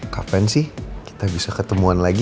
kapan sih kita bisa ketemuan lagi